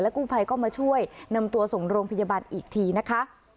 กู้ภัยก็มาช่วยนำตัวส่งโรงพยาบาลอีกทีนะคะ